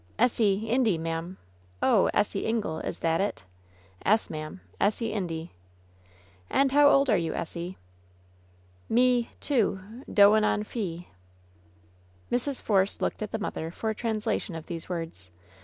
^^ssie — Indy, ma'am." "Oh, Essie Ingle— is that it!" "Es, ma'am ; Essie — ^Indy." "And how old are you, Essie ?" "Me — ^two — doin' on fee." Mrs. Force looked at the mother for a translation of these words.